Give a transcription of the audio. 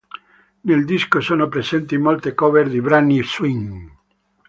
Nel disco sono presenti molte cover di brani swing.